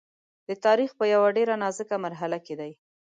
د تاریخ په یوه ډېره نازکه مرحله کې دی.